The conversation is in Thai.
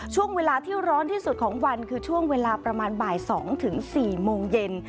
ช่วงเวลาที่ร้อนที่สุดของวันคือช่วงเวลาประมาณบ่าย๒ถึง๔โมงเย็น